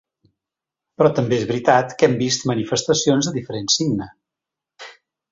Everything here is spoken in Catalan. Però també és veritat que hem vist manifestacions de diferent signe.